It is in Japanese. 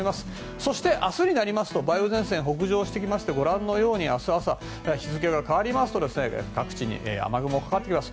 そして、明日になりますと梅雨前線が北上してきましてご覧のように明日朝、日付が変わりますと各地に雨雲がかかってきます。